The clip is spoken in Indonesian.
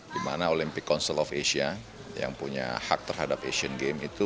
di mana olympic council of asia yang punya hak terhadap asian games itu